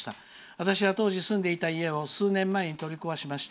私は当時住んでいた家を数年前に取り壊しました。